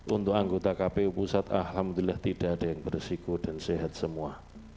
untuk anggota kpu pusat alhamdulillah tidak ada yang beresiko dan sehat semua